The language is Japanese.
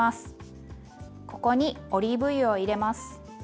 ここにオリーブ油を入れます。